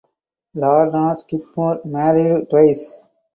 Lorna Skidmore married twice.